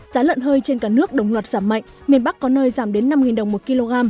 giá lợn hơi trên cả nước đồng loạt giảm mạnh miền bắc có nơi giảm đến năm đồng một kg